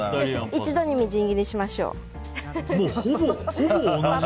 一度にみじん切りにしましょう。